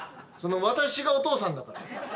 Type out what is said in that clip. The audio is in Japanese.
私がお父さんだから。